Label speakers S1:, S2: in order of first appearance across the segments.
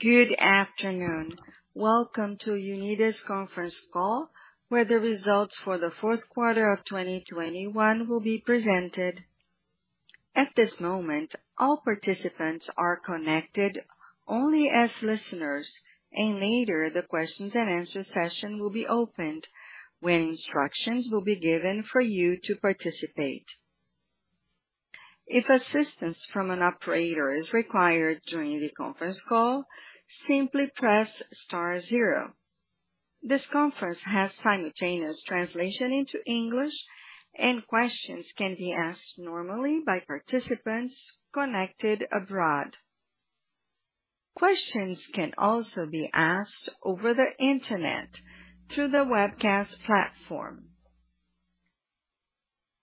S1: Good afternoon. Welcome to Unidas conference call, where the results for the fourth quarter of 2021 will be presented. At this moment, all participants are connected only as listeners. Later, the questions-and-answer session will be opened, when instructions will be given for you to participate. If assistance from an operator is required during the conference call, simply press star zero. This conference has simultaneous translation into English, and questions can be asked normally by participants connected abroad. Questions can also be asked over the Internet through the webcast platform.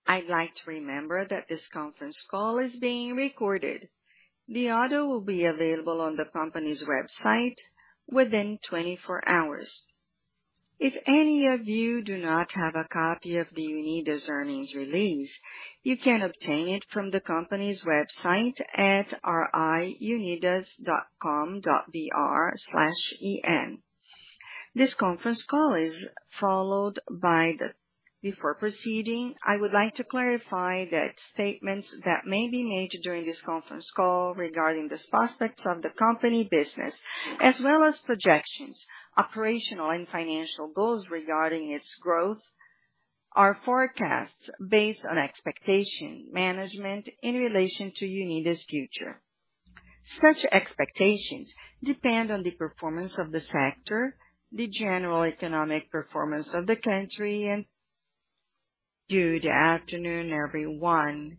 S1: I'd like to remember that this conference call is being recorded. The audio will be available on the company's website within 24 hours. If any of you do not have a copy of the Unidas earnings release, you can obtain it from the company's website at ri.unidas.com.br/en. Before proceeding, I would like to clarify that statements that may be made during this conference call regarding these prospects of the company business as well as projections, operational and financial goals regarding its growth are forecasts based on expectation management in relation to Unidas future. Such expectations depend on the performance of the sector, the general economic performance of the country.
S2: Good afternoon, everyone.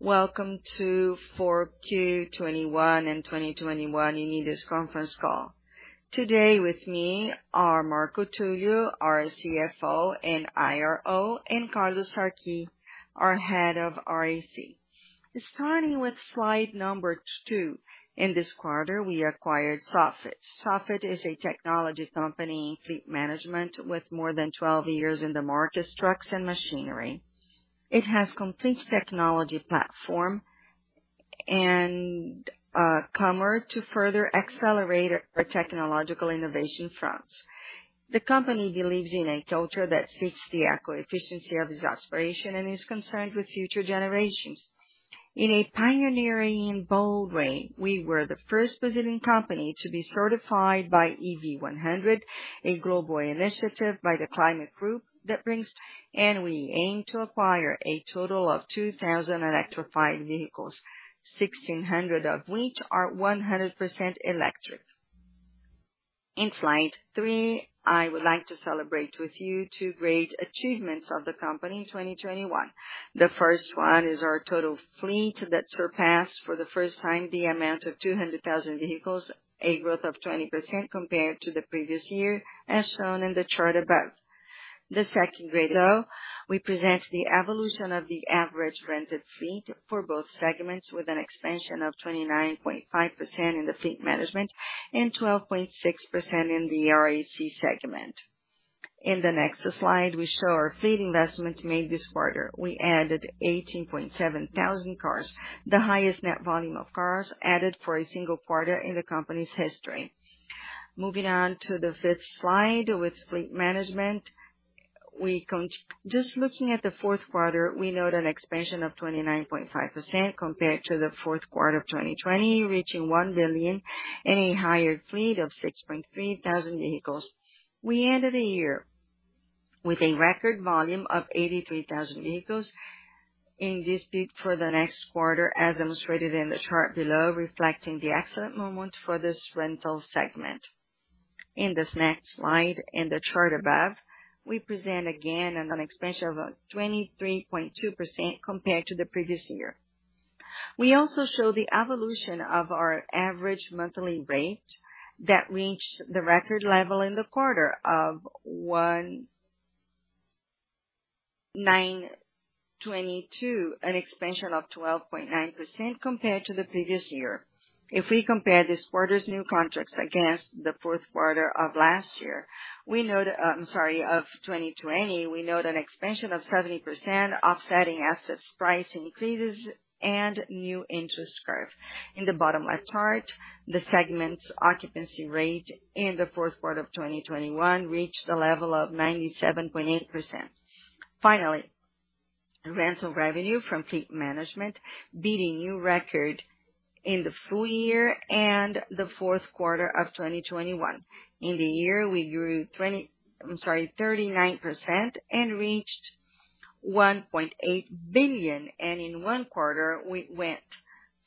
S2: Welcome to 4Q 2021 and 2021 Unidas conference call. Today with me are Marco Túlio, our CFO and IRO, and Carlos Sarquis, our Head of RAC. Starting with slide number two. In this quarter, we acquired Sofit. Sofit is a technology company in fleet management with more than 12 years in the market, trucks and machinery. It has complete technology platform and comes to further accelerate our technological innovation fronts. The company believes in a culture that fits the eco efficiency of its aspiration and is concerned with future generations. In a pioneering bold way, we were the first Brazilian company to be certified by EV100, a global initiative by The Climate Group that brings. We aim to acquire a total of 2,000 electrified vehicles, 1,600 of which are 100% electric. In slide three, I would like to celebrate with you two great achievements of the company in 2021. The first one is our total fleet that surpassed for the first time the amount of 200,000 vehicles, a growth of 20% compared to the previous year, as shown in the chart above. The second graph, though, we present the evolution of the average rented fleet for both segments, with an expansion of 29.5% in the fleet management and 12.6% in the RAC segment. In the next slide, we show our fleet investments made this quarter. We added 18,700 cars, the highest net volume of cars added for a single quarter in the company's history. Moving on to the fifth slide. With fleet management, just looking at the fourth quarter, we note an expansion of 29.5% compared to the fourth quarter of 2020, reaching 1 billion and a higher fleet of 6,300 vehicles. We ended the year with a record volume of 83,000 vehicles in this peak for the next quarter, as illustrated in the chart below, reflecting the excellent moment for this rental segment. In this next slide, in the chart above, we present again an expansion of 23.2% compared to the previous year. We also show the evolution of our average monthly rate that reached the record level in the quarter of 1,922, an expansion of 12.9% compared to the previous year. If we compare this quarter's new contracts against the fourth quarter of 2020, we note an expansion of 70%, offsetting asset price increases and new interest curve. In the bottom left chart, the segment's occupancy rate in the fourth quarter of 2021 reached a level of 97.8%. Finally, rental revenue from fleet management beat a new record in the full year and the fourth quarter of 2021. In the year we grew 39% and reached 1.8 billion. In one quarter we went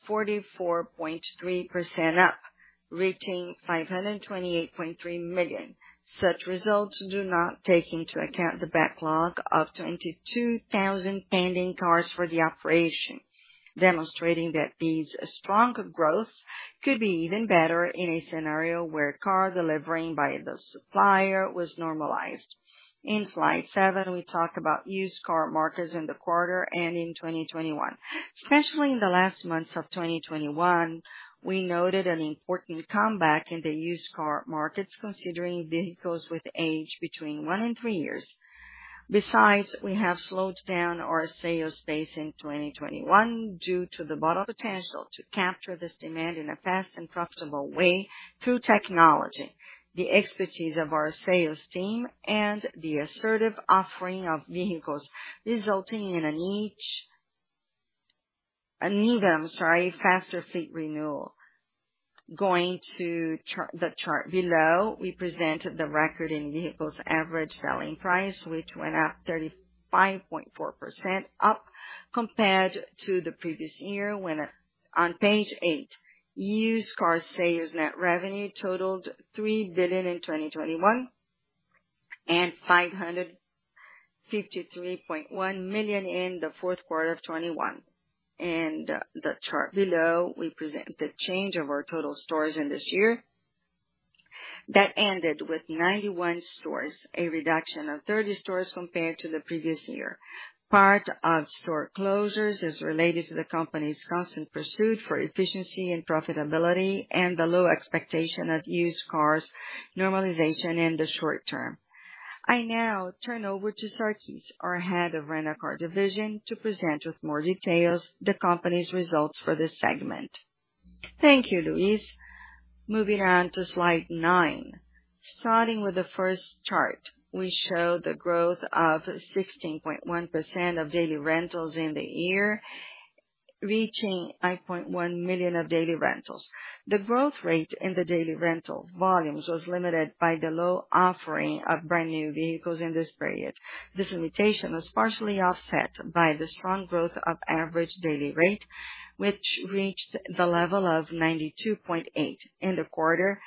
S2: 44.3% up, reaching 528.3 million. Such results do not take into account the backlog of 22,000 pending cars for the operation, demonstrating that these strong growth could be even better in a scenario where car delivering by the supplier was normalized. In slide seven, we talk about used car markets in the quarter and in 2021. Especially in the last months of 2021, we noted an important comeback in the used car markets considering vehicles with age between one and three years. Besides, we have slowed down our sales pace in 2021 due to the bottom potential to capture this demand in a fast and profitable way through technology, the expertise of our sales team, and the assertive offering of vehicles, resulting in faster fleet renewal. Going to the chart below, we present the record in vehicles average selling price, which went up 35.4% compared to the previous year, on page eight. Used car sales net revenue totaled 3 billion in 2021, and 553.1 million in the fourth quarter of 2021. The chart below, we present the change of our total stores in this year that ended with 91 stores, a reduction of 30 stores compared to the previous year. Part of store closures is related to the company's constant pursuit for efficiency and profitability, and the low expectation of used cars normalization in the short term. I now turn over to Carlos Sarquis, our Head of Rent-A-Car Division, to present with more details the company's results for this segment.
S3: Thank you, Luís. Moving on to slide nine. Starting with the first chart, we show the growth of 16.1% of daily rentals in the year, reaching 8.1 million daily rentals. The growth rate in the daily rentals volumes was limited by the low offering of brand new vehicles in this period. This limitation was partially offset by the strong growth of average daily rate, which reached the level of 92.8 in the quarter,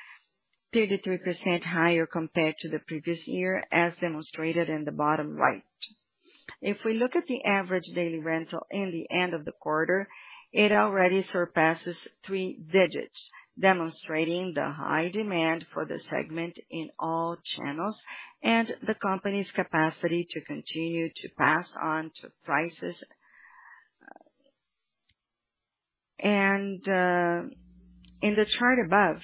S3: 33% higher compared to the previous year, as demonstrated in the bottom right. If we look at the average daily rental in the end of the quarter, it already surpasses three digits, demonstrating the high demand for the segment in all channels and the company's capacity to continue to pass on to prices. In the chart above,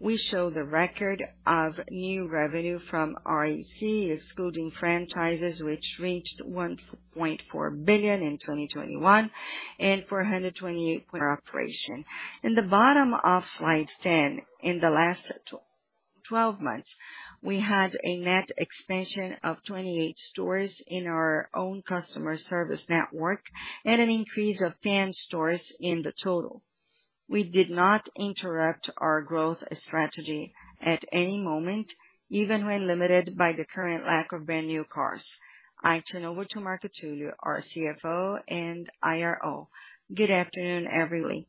S3: we show the record of new revenue from RAC excluding franchises, which reached 1.4 billion in 2021 and 428 per operation. In the bottom of slide 10, in the last 12 months, we had a net expansion of 28 stores in our own customer service network and an increase of 10 stores in the total. We did not interrupt our growth strategy at any moment, even when limited by the current lack of brand new cars. I turn over to Marco Túlio, our CFO and IRO.
S4: Good afternoon, everyone.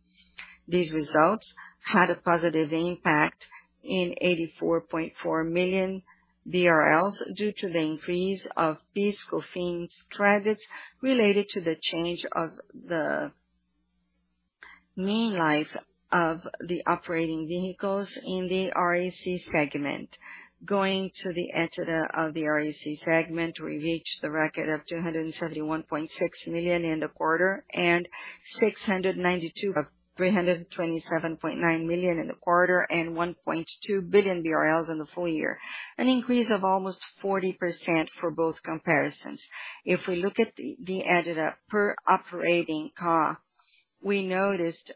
S4: These results had a positive impact in 84.4 million BRL due to the increase of fiscal fees credits related to the change of the mean life of the operating vehicles in the RAC segment. Going to the EBITDA of the RAC segment, we reached the record of 327.9 million in the quarter and 1.2 billion BRL in the full year, an increase of almost 40% for both comparisons. If we look at the EBITDA per operating car, we noticed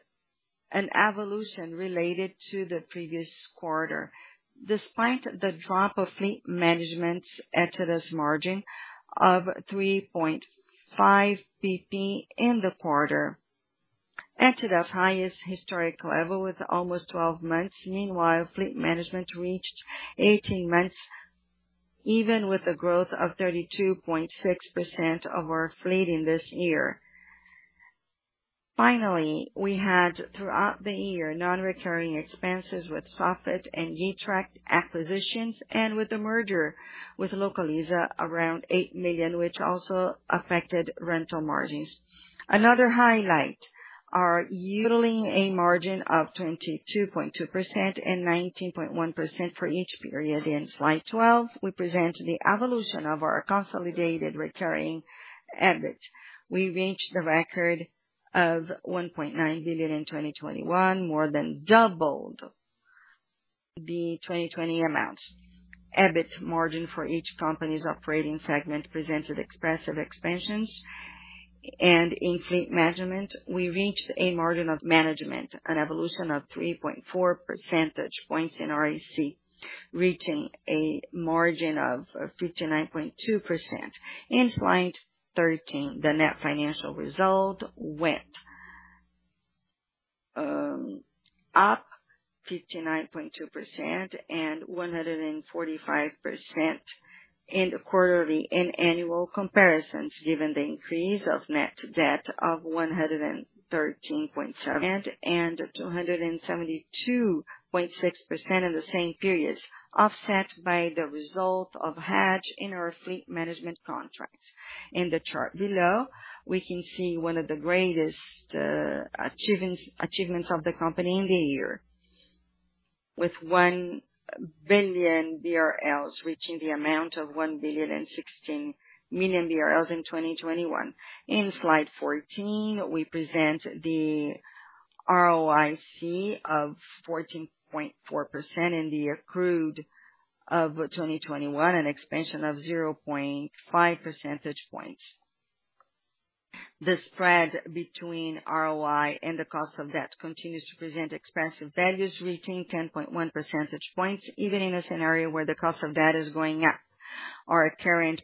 S4: an evolution related to the previous quarter, despite the drop of fleet management's EBITDA margin of 3.5 basis points in the quarter. EBITDA reached its highest historic level with almost 12 months. Meanwhile, fleet management reached 18 months, even with the growth of 32.6% of our fleet in this year. Finally, we had, throughout the year, non-recurring expenses with Sofit and iTrack acquisitions and with the merger with Localiza around 8 million, which also affected rental margins. Another highlight are yielding a margin of 22.2% and 19.1% for each period. In slide 12, we present the evolution of our consolidated recurring EBIT. We reached the record of 1.9 billion in 2021, more than doubled the 2020 amount. EBIT margin for each company's operating segment presented expressive expansions. In fleet management, we reached a margin of management, an evolution of 3.4 percentage points in RAC, reaching a margin of 59.2%. In slide 13, the net financial result went up 59.2% and 145% in the quarterly and annual comparisons, given the increase of net debt of 113.7% and 272.6% in the same periods, offset by the result of hedge in our fleet management contracts. In the chart below, we can see one of the greatest achievements of the company in the year, with 1 billion BRL reaching the amount of 1.016 billion in 2021. In slide 14, we present the ROIC of 14.4% in the accrued of 2021, an expansion of 0.5 percentage points. The spread between ROI and the cost of debt continues to present expensive values, reaching 10.1 percentage points, even in a scenario where the cost of debt is going up. Our current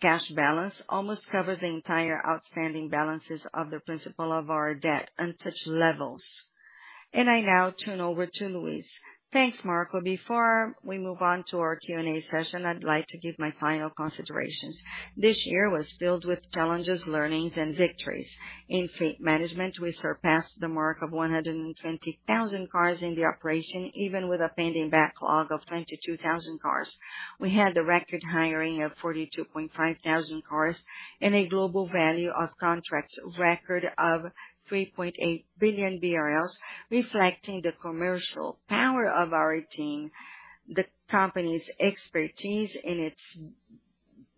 S4: cash balance almost covers the entire outstanding balances of the principal of our debt and such levels. I now turn over to Luís.
S2: Thanks, Marco. Before we move on to our Q&A session, I'd like to give my final considerations. This year was filled with challenges, learnings and victories. In fleet management, we surpassed the mark of 120,000 cars in the operation, even with a pending backlog of 22,000 cars. We had the record hiring of 42,500 cars and a global value of contracts record of 3.8 billion BRL, reflecting the commercial power of our team, the company's expertise in its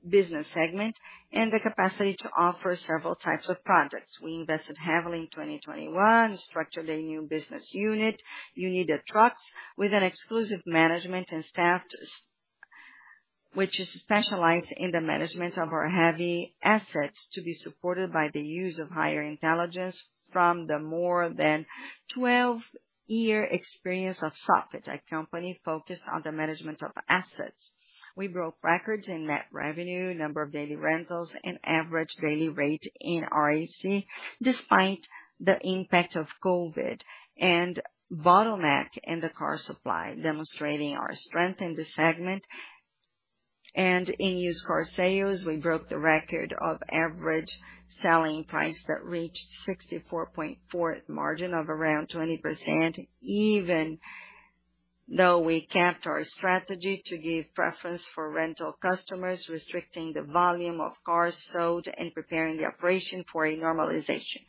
S2: business segment, and the capacity to offer several types of products. We invested heavily in 2021, structured a new business unit, Unidas Trucks, with an exclusive management and staff which is specialized in the management of our heavy assets to be supported by the use of higher intelligence from the more than 12-year experience of Sofit, a company focused on the management of assets. We broke records in net revenue, number of daily rentals, and average daily rate in RAC, despite the impact of COVID and bottleneck in the car supply, demonstrating our strength in this segment. In used car sales, we broke the record of average selling price that reached 64,400 margin of around 20%, even though we kept our strategy to give preference for rental customers, restricting the volume of cars sold and preparing the operation for a normalization.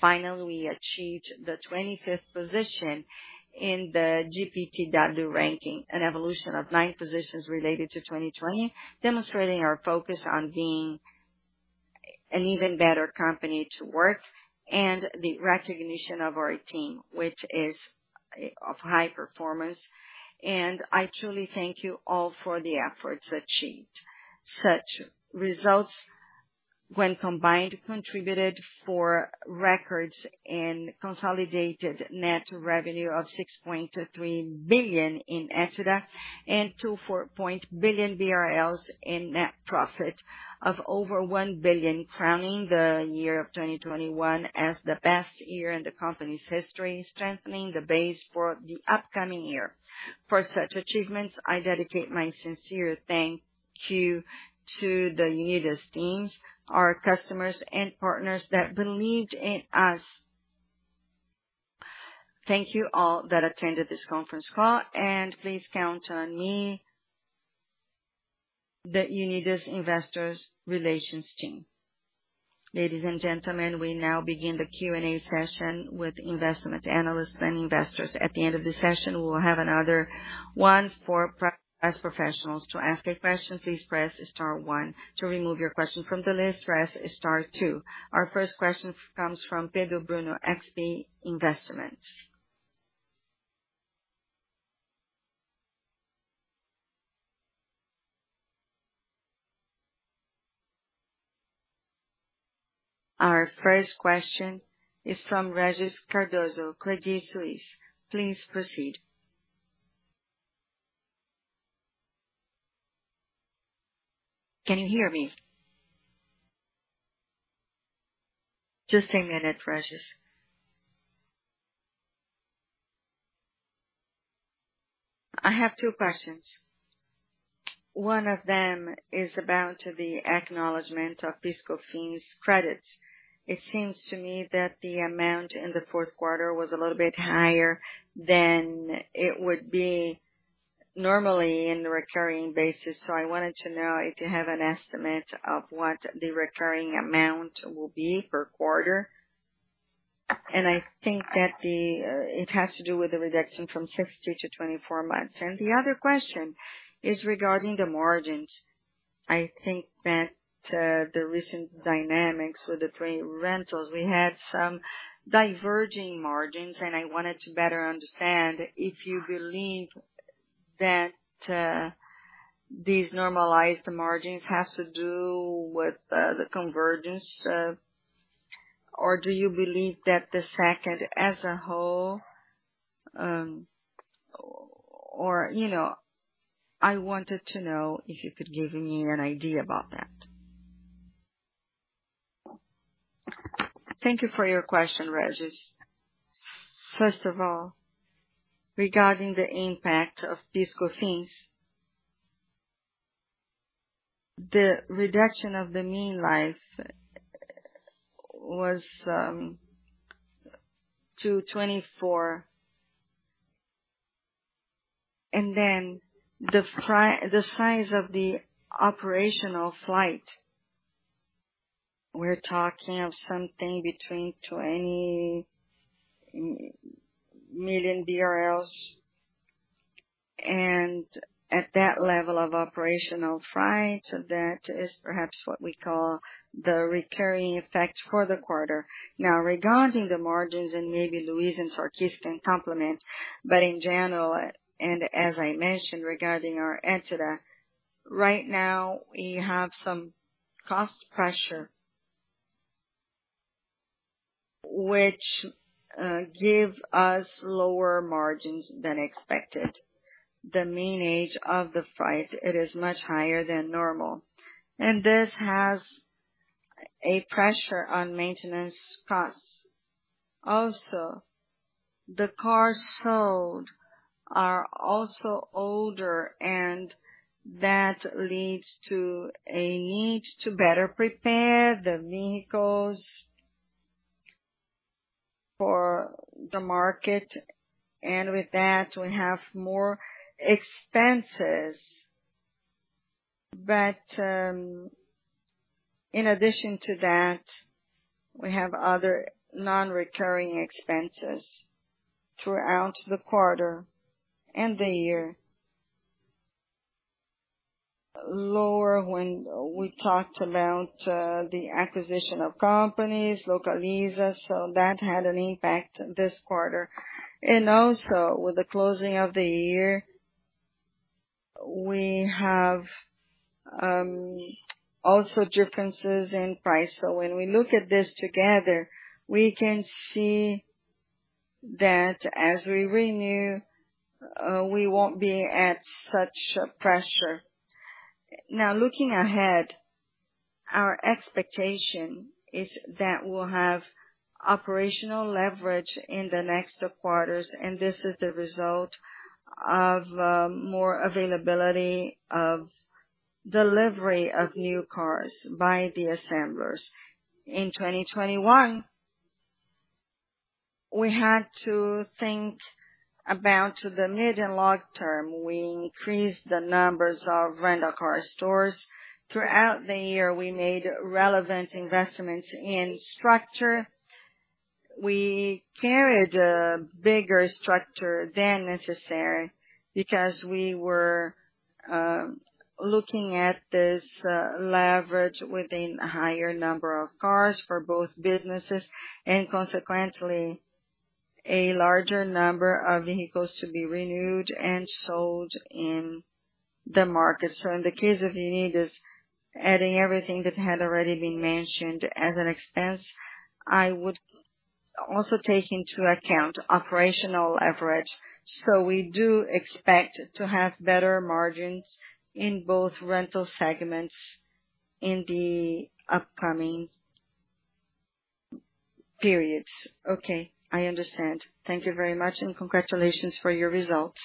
S2: Finally, we achieved the 25th position in the GPTW ranking, an evolution of nine positions related to 2020, demonstrating our focus on being an even better company to work, and the recognition of our team, which is of high performance. I truly thank you all for the efforts achieved. Such results when combined contributed to records in consolidated net revenue of 6.3 billion, EBITDA of 2.4 billion BRL, and net profit of over 1 billion, crowning the year of 2021 as the best year in the company's history, strengthening the base for the upcoming year. For such achievements, I dedicate my sincere thank you to the Unidas teams, our customers and partners that believed in us. Thank you all that attended this conference call, and please count on me. The Unidas Investor Relations team.
S1: Ladies and gentlemen, we now begin the Q&A session with investment analysts and investors. At the end of the session, we will have another one for press professionals. To ask a question, please press star one. To remove your question from the list, press star two. Our first question comes from Pedro Bruno, XP Investimentos. Our first question is from Régis Cardoso, Credit Suisse. Please proceed.
S5: Can you hear me?
S1: Just a minute, Régis.
S5: I have two questions. One of them is about the acknowledgment of PIS/Cofins credits. It seems to me that the amount in the fourth quarter was a little bit higher than it would be normally in the recurring basis. I wanted to know if you have an estimate of what the recurring amount will be per quarter. I think that it has to do with the reduction from 60 months to 24 months. The other question is regarding the margins. I think that the recent dynamics with the three rentals, we had some diverging margins, and I wanted to better understand if you believe that these normalized margins has to do with the convergence or do you believe that the sector as a whole, you know. I wanted to know if you could give me an idea about that.
S4: Thank you for your question, Régis. First of all, regarding the impact of PIS/Cofins. The reduction of the mean life was to 24 months. Then the size of the operational fleet, we're talking of something between 20 million. At that level of operational fleet, that is perhaps what we call the recurring effect for the quarter. Now regarding the margins, maybe Luís and Sarquis can complement, but in general, as I mentioned regarding our EBITDA, right now we have some cost pressure which give us lower margins than expected. The mean age of the fleet, it is much higher than normal, and this has a pressure on maintenance costs. Also, the cars sold are also older, and that leads to a need to better prepare the vehicles for the market. With that, we have more expenses. In addition to that, we have other non-recurring expenses throughout the quarter and the year. Also when we talked about the acquisition of Localiza. That had an impact this quarter. Also with the closing of the year, we have also differences in price. When we look at this together, we can see that as we renew, we won't be at such pressure. Now, looking ahead, our expectation is that we'll have operational leverage in the next quarters, and this is the result of more availability of delivery of new cars by the assemblers. In 2021, we had to think about the mid and long-term. We increased the numbers of rental car stores. Throughout the year, we made relevant investments in structure. We carried a bigger structure than necessary because we were looking at this leverage within a higher number of cars for both businesses and consequently a larger number of vehicles to be renewed and sold in the market. In the case of Unidas, adding everything that had already been mentioned as an expense, I would also take into account operational leverage. We do expect to have better margins in both rental segments in the upcoming periods.
S5: Okay, I understand. Thank you very much, and congratulations for your results.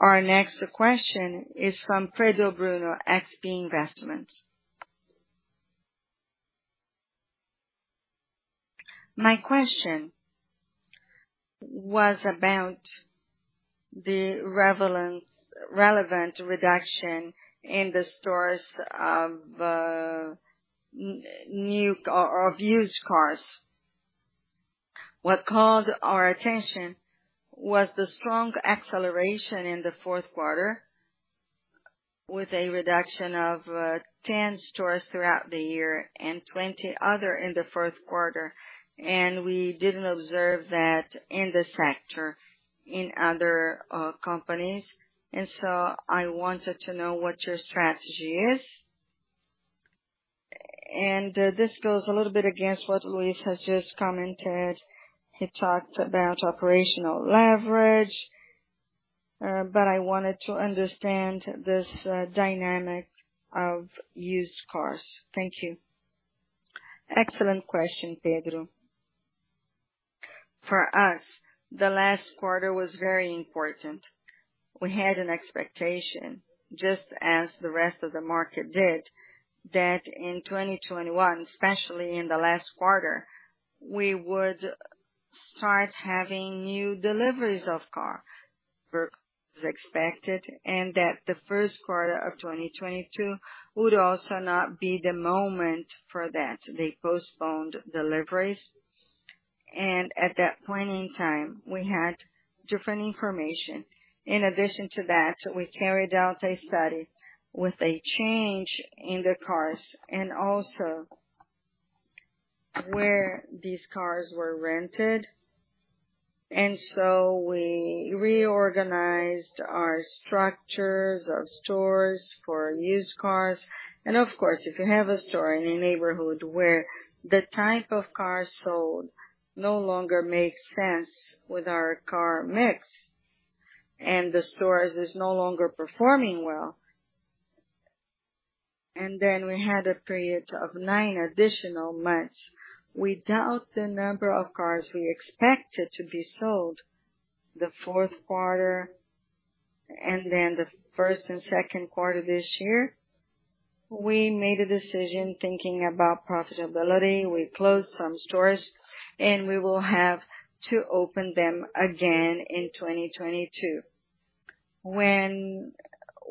S1: Our next question is from Pedro Bruno, XP Investimentos.
S6: My question was about the relevant reduction in the stock of new or used cars. What called our attention was the strong acceleration in the fourth quarter with a reduction of 10 stores throughout the year and 20 others in the fourth quarter. We didn't observe that in this sector in other companies. I wanted to know what your strategy is. This goes a little bit against what Luís has just commented. He talked about operational leverage, but I wanted to understand this dynamic of used cars. Thank you.
S2: Excellent question, Pedro. For us, the last quarter was very important. We had an expectation, just as the rest of the market did, that in 2021, especially in the last quarter, we would start having new deliveries of car as expected, and that the first quarter of 2022 would also not be the moment for that. They postponed deliveries. At that point in time, we had different information. In addition to that, we carried out a study with a change in the cars and also where these cars were rented. We reorganized our structures of stores for used cars. Of course, if you have a store in a neighborhood where the type of cars sold no longer makes sense with our car mix and the stores is no longer performing well, and then we had a period of nine additional months without the number of cars we expected to be sold, the fourth quarter and then the first and second quarter this year, we made a decision thinking about profitability. We closed some stores, and we will have to open them again in 2022. When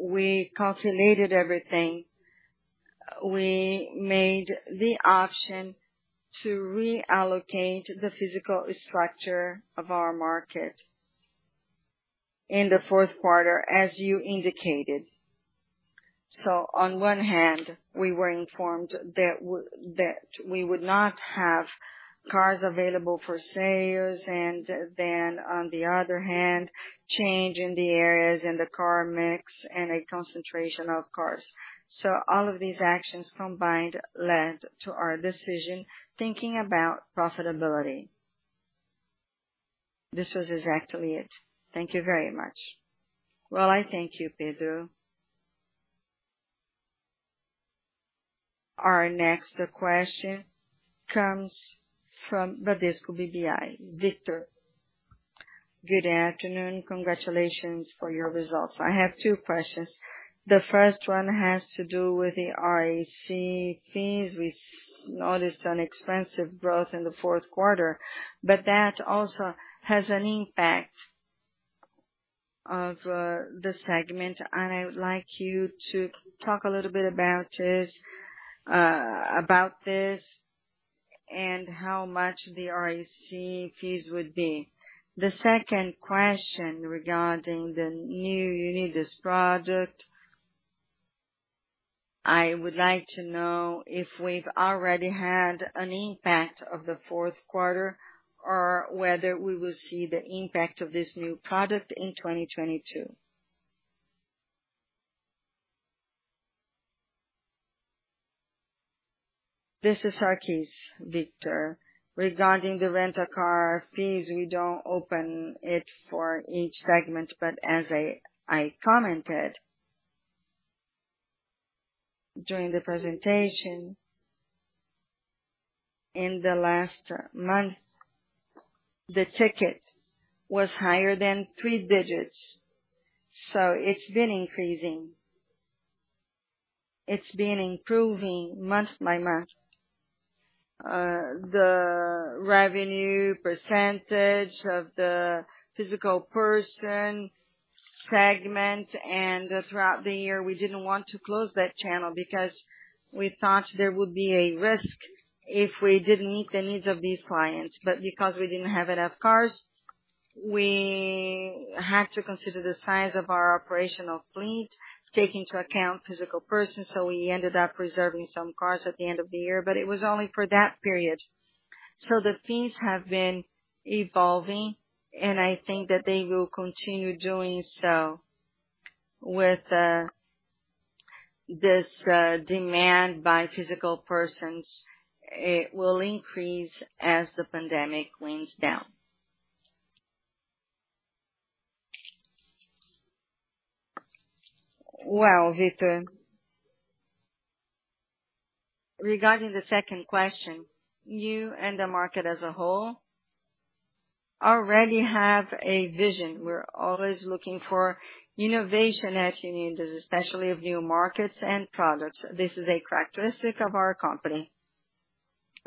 S2: we calculated everything, we made the option to reallocate the physical structure of our market in the fourth quarter, as you indicated. On one hand, we were informed that we would not have cars available for sales, and then on the other hand, change in the areas and the car mix and a concentration of cars. All of these actions combined led to our decision, thinking about profitability.
S6: This was exactly it. Thank you very much.
S2: Well, I thank you, Pedro.
S1: Our next question comes from Bradesco BBI, Victor.
S7: Good afternoon. Congratulations for your results. I have two questions. The first one has to do with the RAC fees. We noticed an intense growth in the fourth quarter, but that also has an impact of the segment. I would like you to talk a little bit about this and how much the RAC fees would be. The second question regarding the new Unidas project. I would like to know if we've already had an impact of the fourth quarter or whether we will see the impact of this new product in 2022.
S3: This is Sarquis, Victor. Regarding the Rent-A-Car fees, we don't open it for each segment, but as I commented during the presentation. In the last month, the ticket was higher than three digits, so it's been increasing. It's been improving month by month. The revenue percentage of the physical person segment and throughout the year, we didn't want to close that channel because we thought there would be a risk if we didn't meet the needs of these clients. Because we didn't have enough cars, we had to consider the size of our operational fleet, take into account physical persons, so we ended up reserving some cars at the end of the year, but it was only for that period. The fees have been evolving, and I think that they will continue doing so. With this demand by physical persons, it will increase as the pandemic winds down.
S4: Well, Victor, regarding the second question, you and the market as a whole already have a vision. We're always looking for innovation at Unidas, especially of new markets and products. This is a characteristic of our company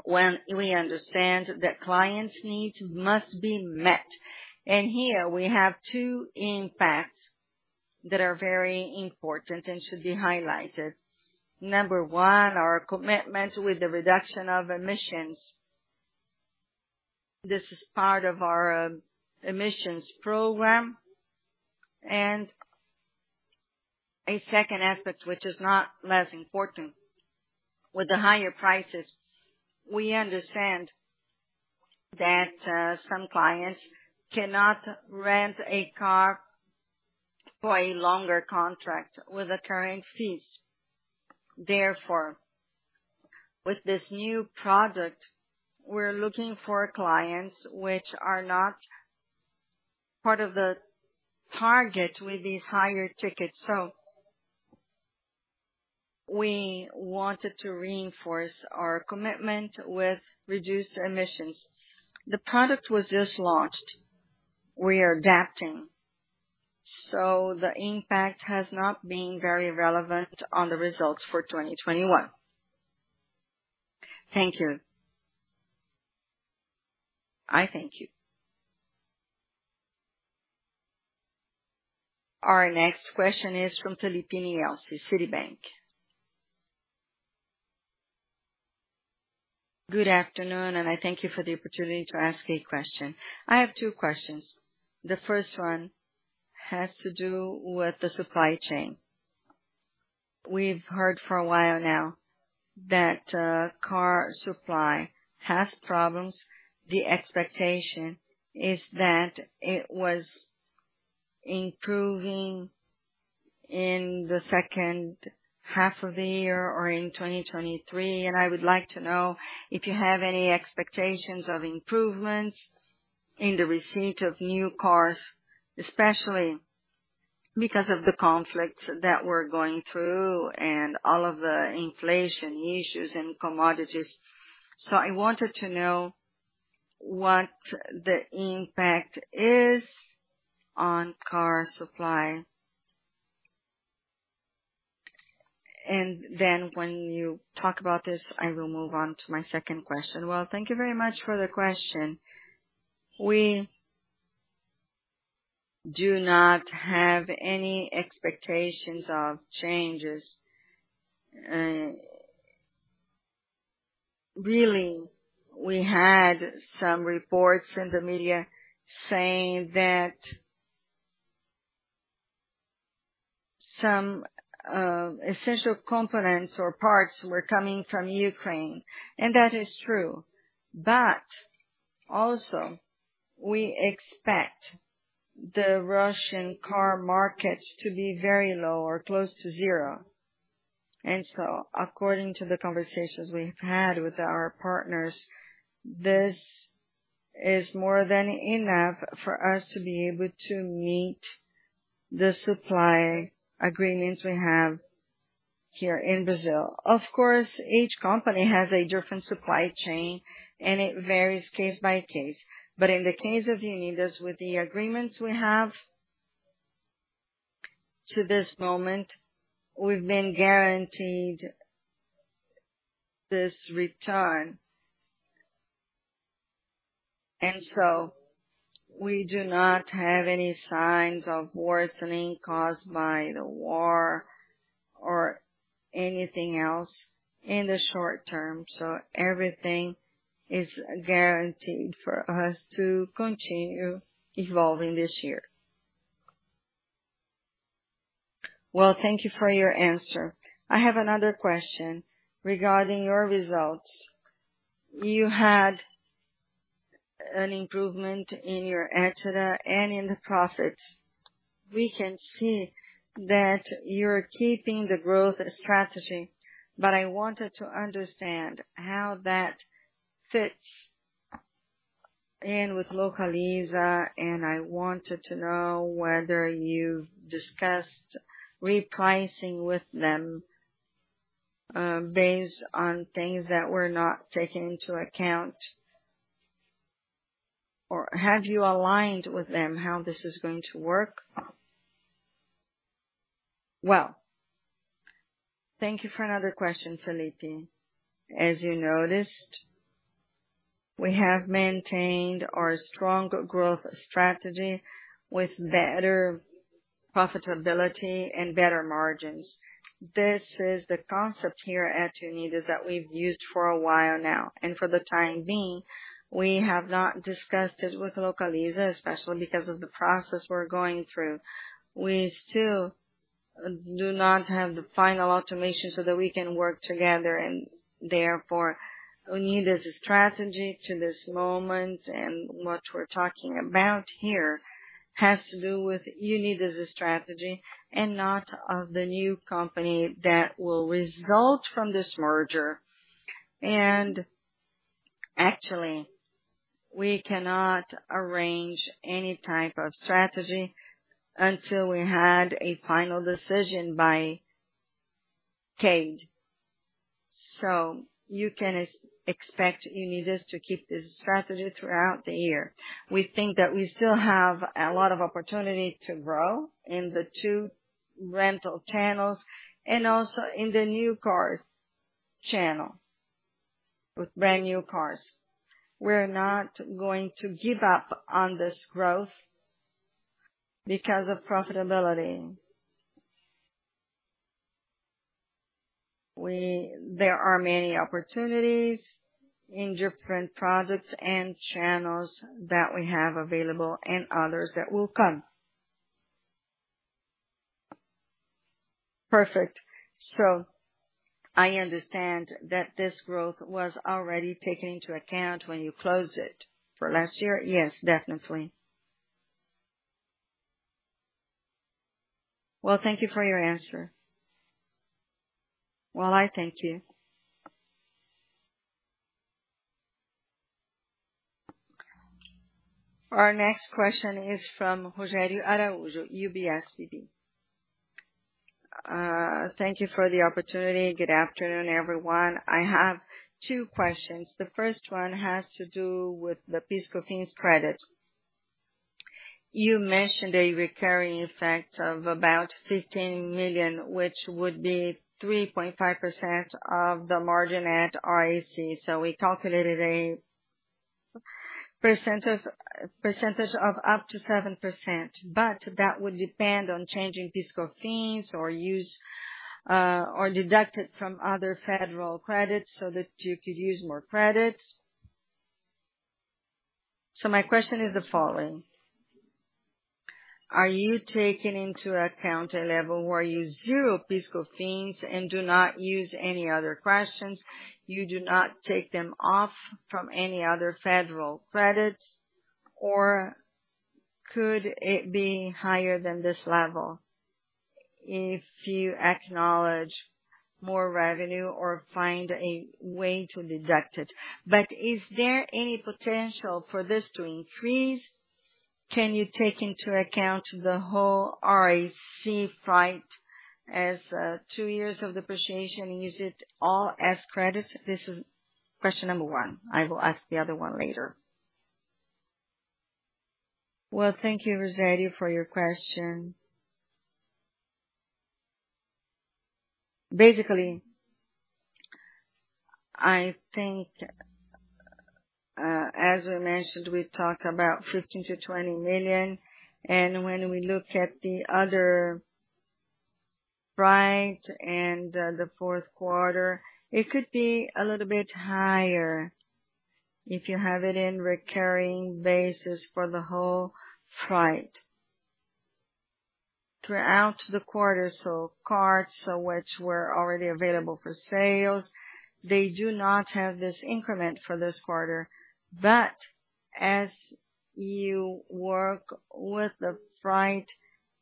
S4: when we understand that clients' needs must be met. Here we have two impacts that are very important and should be highlighted. Number one, our commitment with the reduction of emissions. This is part of our emissions program. A second aspect, which is not less important, with the higher prices, we understand that some clients cannot rent a car for a longer contract with the current fees. Therefore, with this new product, we're looking for clients which are not part of the target with these higher tickets. We wanted to reinforce our commitment with reduced emissions. The product was just launched. We are adapting, so the impact has not been very relevant on the results for 2021.
S7: Thank you.
S4: I thank you.
S1: Our next question is from Filipe Nielsen, Citibank.
S8: Good afternoon, and I thank you for the opportunity to ask a question. I have two questions. The first one has to do with the supply chain. We've heard for a while now that car supply has problems. The expectation is that it was improving in the second half of the year or in 2023. I would like to know if you have any expectations of improvements in the receipt of new cars, especially because of the conflicts that we're going through and all of the inflation issues and commodities. I wanted to know what the impact is on car supply. When you talk about this, I will move on to my second question.
S2: Thank you very much for the question. We do not have any expectations of changes. Really, we had some reports in the media saying some essential components or parts were coming from Ukraine, and that is true. But also we expect the Russian car market to be very low or close to zero. According to the conversations we've had with our partners, this is more than enough for us to be able to meet the supply agreements we have here in Brazil. Of course, each company has a different supply chain and it varies case by case. In the case of Unidas, with the agreements we have, to this moment, we've been guaranteed this return. We do not have any signs of worsening caused by the war or anything else in the short term. Everything is guaranteed for us to continue evolving this year.
S8: Well, thank you for your answer. I have another question regarding your results. You had an improvement in your EBITDA and in the profit. We can see that you're keeping the growth strategy, but I wanted to understand how that fits in with Localiza, and I wanted to know whether you've discussed repricing with them, based on things that were not taken into account. Or have you aligned with them how this is going to work?
S2: Well, thank you for another question, Filipe. As you noticed, we have maintained our strong growth strategy with better profitability and better margins. This is the concept here at Unidas that we've used for a while now, and for the time being, we have not discussed it with Localiza, especially because of the process we're going through. We still do not have the final integration so that we can work together and therefore Unidas' strategy to this moment and what we're talking about here has to do with Unidas' strategy and not of the new company that will result from this merger. Actually, we cannot arrange any type of strategy until we had a final decision by CADE. You can expect Unidas to keep this strategy throughout the year. We think that we still have a lot of opportunity to grow in the two rental channels and also in the new car channel with brand-new cars. We're not going to give up on this growth because of profitability. There are many opportunities in different products and channels that we have available and others that will come.
S8: Perfect. I understand that this growth was already taken into account when you closed it for last year.
S2: Yes, definitely.
S8: Well, thank you for your answer.
S2: Well, I thank you.
S1: Our next question is from Rogério Araújo, UBS BB.
S9: Thank you for the opportunity. Good afternoon, everyone. I have two questions. The first one has to do with the fiscal fees credit. You mentioned a recurring effect of about 15 million, which would be 3.5% of the margin at RAC. We calculated a percentage of up to 7%, but that would depend on changing fiscal fees or use or deducted from other federal credits so that you could use more credits. My question is the following: Are you taking into account a level where you zero fiscal fees and do not use any other credits? You do not take them off from any other federal credits? Or could it be higher than this level if you acknowledge more revenue or find a way to deduct it? Is there any potential for this to increase? Can you take into account the whole RAC fleet as two years of depreciation and use it all as credits? This is question number one. I will ask the other one later.
S2: Well, thank you, Rogério, for your question. Basically, I think, as we mentioned, we talked about 15 million-20 million, and when we look at the other fleet and the fourth quarter, it could be a little bit higher. If you have it in recurring basis for the whole fleet throughout the quarter. So cars which were already available for sales, they do not have this increment for this quarter. As you work with the freight,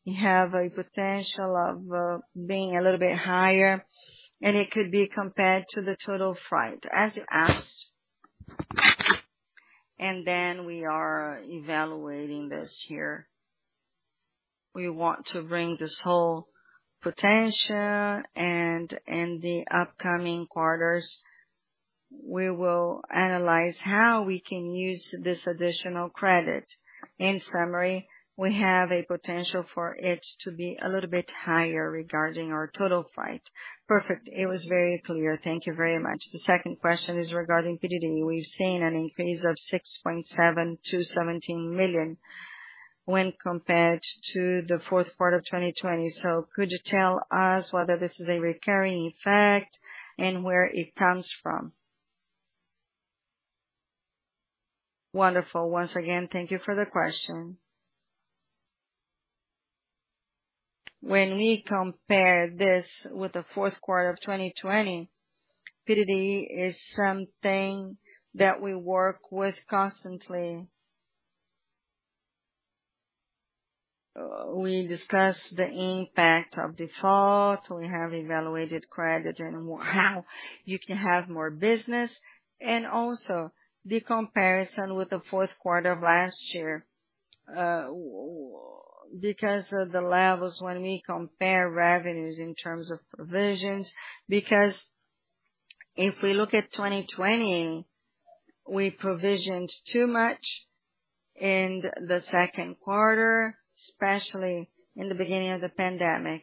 S2: you have a potential of being a little bit higher, and it could be compared to the total freight as you asked. We are evaluating this year. We want to bring this whole potential and in the upcoming quarters, we will analyze how we can use this additional credit. In summary, we have a potential for it to be a little bit higher regarding our total freight.
S9: Perfect. It was very clear. Thank you very much. The second question is regarding PDD. We've seen an increase of 6.7 million-17 million when compared to the fourth quarter of 2020. Could you tell us whether this is a recurring effect and where it comes from?
S2: Wonderful. Once again, thank you for the question. When we compare this with the fourth quarter of 2020, PDD is something that we work with constantly. We discussed the impact of default. We have evaluated credit and how you can have more business and also the comparison with the fourth quarter of last year. Because of the levels when we compare revenues in terms of provisions, because if we look at 2020, we provisioned too much in the second quarter, especially in the beginning of the pandemic.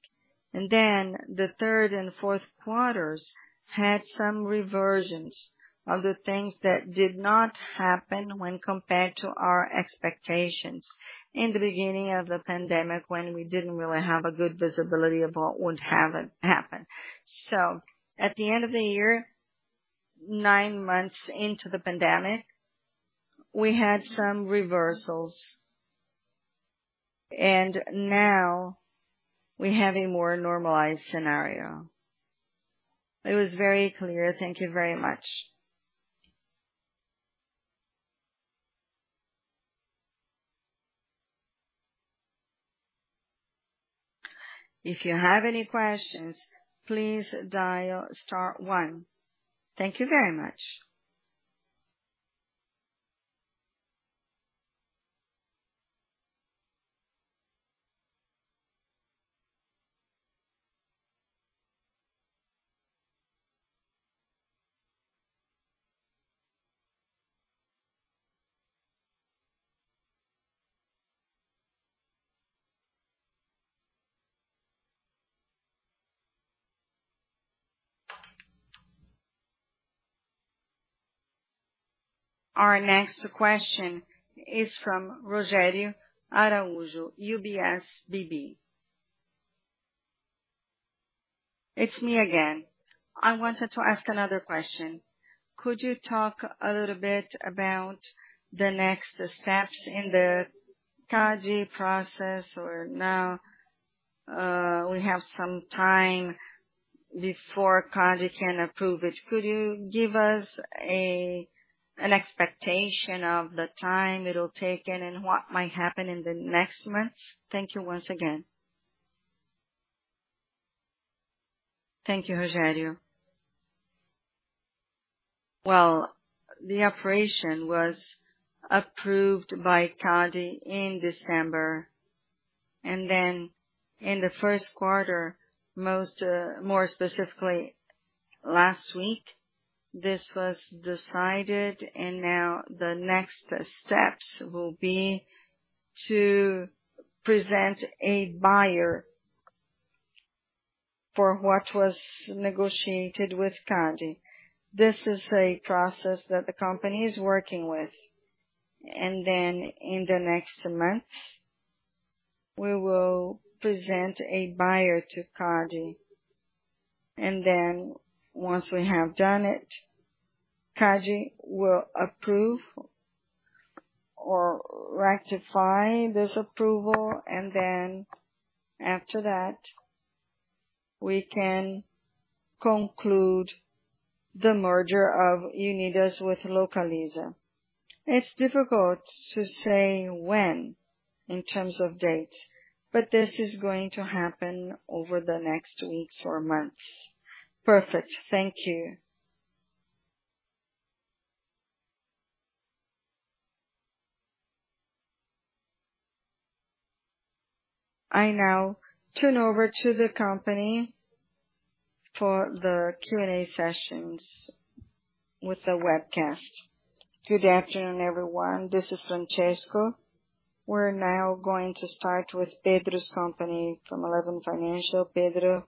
S2: The third and fourth quarters had some reversions of the things that did not happen when compared to our expectations in the beginning of the pandemic, when we didn't really have a good visibility of what would haven't happened. At the end of the year, nine months into the pandemic, we had some reversals, and now we have a more normalized scenario.
S9: It was very clear. Thank you very much.
S1: Our next question is from Rogério Araújo, UBS BB.
S9: It's me again. I wanted to ask another question. Could you talk a little bit about the next steps in the CADE process where now, we have some time before CADE can approve it. Could you give us an expectation of the time it'll take and what might happen in the next months? Thank you once again.
S2: Thank you, Rogério. Well, the operation was approved by CADE in December and then in the first quarter most, more specifically last week, this was decided and now the next steps will be to present a buyer for what was negotiated with CADE. This is a process that the company is working with. Then in the next months we will present a buyer to CADE. Then once we have done it, CADE will approve or rectify this approval. Then after that, we can conclude the merger of Unidas with Localiza. It's difficult to say when in terms of dates, but this is going to happen over the next weeks or months.
S9: Perfect. Thank you.
S1: I now turn over to the company for the Q&A session with the webcast. Good afternoon, everyone. This is Francesco. We're now going to start with Pedro from Eleven Financial. Pedro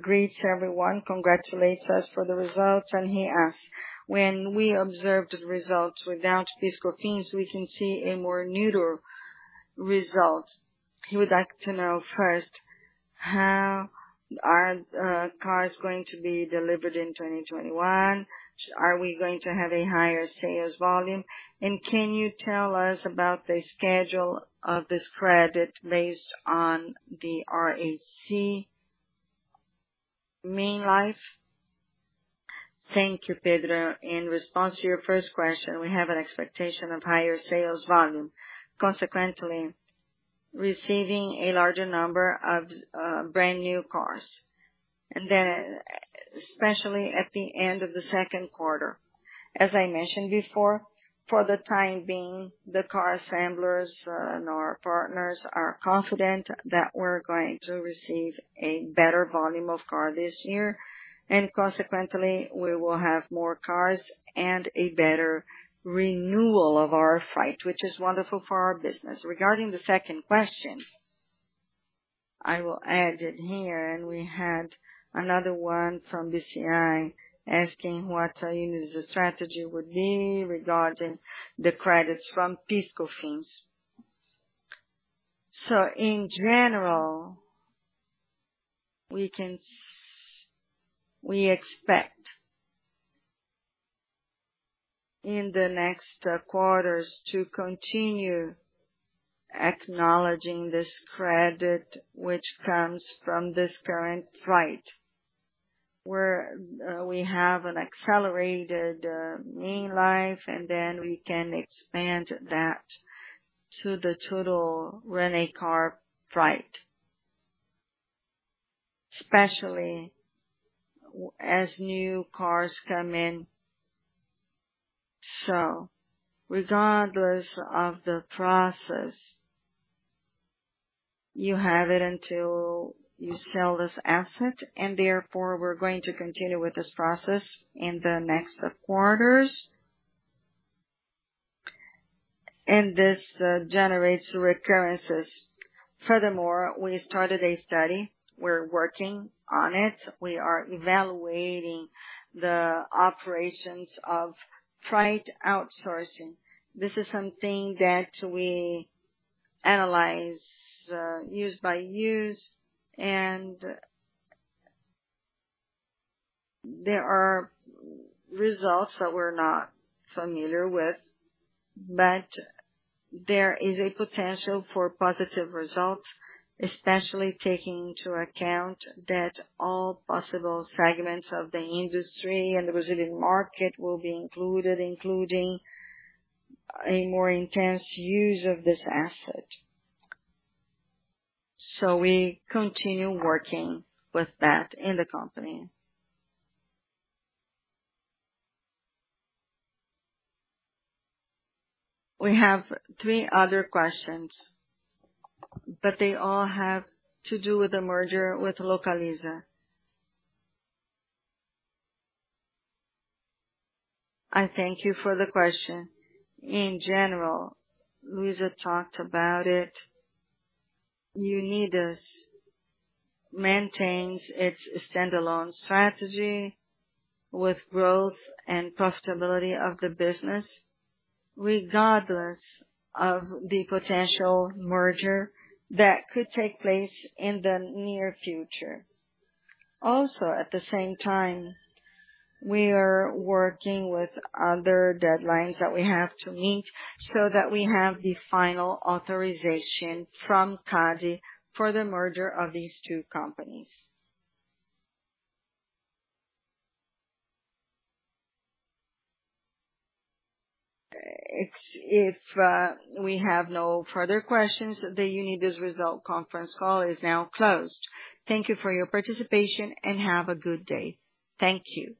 S1: greets everyone, congratulates us for the results, and he asks: When we observed results without PIS/Cofins, we can see a more neutral result. He would like to know first how are cars going to be delivered in 2021? Are we going to have a higher sales volume? Can you tell us about the schedule of this credit based on the RAC mean life?
S2: Thank you, Pedro. In response to your first question, we have an expectation of higher sales volume, consequently receiving a larger number of brand new cars. Then especially at the end of the second quarter. As I mentioned before, for the time being, the car assemblers and our partners are confident that we're going to receive a better volume of car this year, and consequently we will have more cars and a better renewal of our fleet, which is wonderful for our business. Regarding the second question, I will add it here, and we had another one from DCI asking what our strategy would be regarding the credits from fiscal fees. In general, we expect in the next quarters to continue acknowledging this credit which comes from this current fleet, where we have an accelerated mean life, and then we can expand that to the total rent-a-car fleet. Especially as new cars come in. Regardless of the process, you have it until you sell this asset and therefore we're going to continue with this process in the next quarters. This generates recurrences. Furthermore, we started a study, we're working on it. We are evaluating the operations of fleet outsourcing. This is something that we analyze case by case, and there are results that we're not familiar with, but there is a potential for positive results, especially taking into account that all possible segments of the industry and the Brazilian market will be included, including a more intense use of this asset. We continue working with that in the company. We have three other questions, but they all have to do with the merger with Localiza. I thank you for the question. In general, Luís talked about it. Unidas maintains its standalone strategy with growth and profitability of the business regardless of the potential merger that could take place in the near future. Also, at the same time, we are working with other deadlines that we have to meet so that we have the final authorization from CADE for the merger of these two companies.
S1: If we have no further questions, the Unidas results conference call is now closed. Thank you for your participation, and have a good day. Thank you.